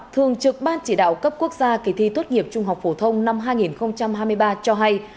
thường trực ban chỉ đạo cấp quốc gia kỳ thi tốt nghiệp trung học phổ thông năm hai nghìn hai mươi ba cho hay